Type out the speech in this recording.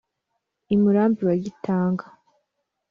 i murambi wa gitanga